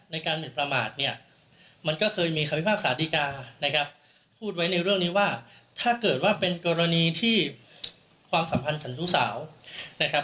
หมินประมาทเนี่ยมันก็เคยมีคำพิพากษาดีกานะครับพูดไว้ในเรื่องนี้ว่าถ้าเกิดว่าเป็นกรณีที่ความสัมพันธ์สันชู้สาวนะครับ